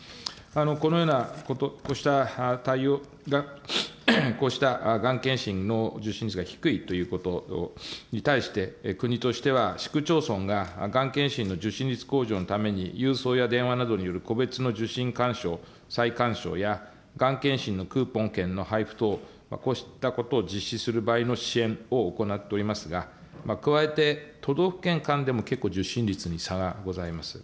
このような、こうした対応が、こうしたがん検診の受診率が低いということに対して、国としては市区町村ががん検診の受診率向上のために郵送や電話などによる個別の受診勧奨、再勧奨や、がん検診のクーポン券の配布等、こうしたことを実施する場合の支援を行っておりますが、加えて、都道府県間でも結構、受診率に差がございます。